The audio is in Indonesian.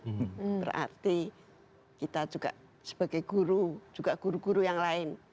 dan berarti kita juga sebagai guru juga guru guru yang lain